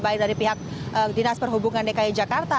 baik dari pihak dinas perhubungan dki jakarta